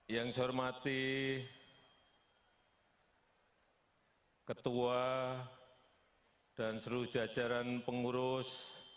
yang saya hormati ketua dan seluruh jajaran pengurus